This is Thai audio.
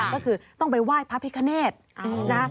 ก็คือต้องไปไหว้พระพิคเนธนะ